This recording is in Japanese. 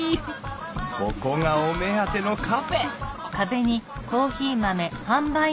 ここがお目当てのカフェ！